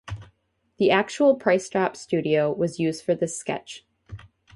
The actual Price Drop studio was used for this sketch.